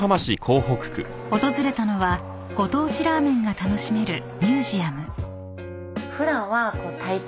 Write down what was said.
［訪れたのはご当地ラーメンが楽しめるミュージアム］